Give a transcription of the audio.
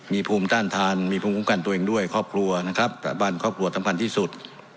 มีภูมิต้านทานมีภูมิคุ้มกันตัวเองด้วยครอบครัวนะครับแต่บ้านครอบครัวสำคัญที่สุด